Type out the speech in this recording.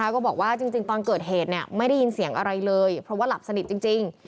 ก็บอกว่าจริงตอนเกิดเหตุไม่ได้ยินเสียงอะไรเลยเพราะว่าหลับสนิทจริง